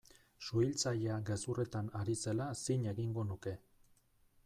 Suhiltzailea gezurretan ari zela zin egingo nuke.